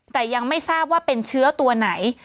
แต่ยังไม่ทราบว่าเป็นเชื้อตัวไหน